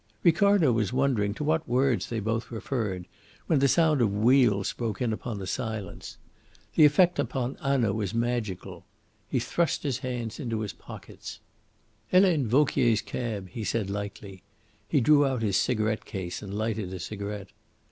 Ricardo was wondering to what words they both referred, when the sound of wheels broke in upon the silence. The effect upon Hanaud was magical. He thrust his hands in his pockets. "Helene Vauquier's cab," he said lightly. He drew out his cigarette case and lighted a cigarette.